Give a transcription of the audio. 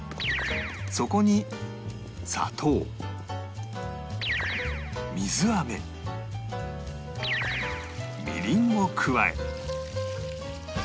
そこに砂糖水飴みりんを加え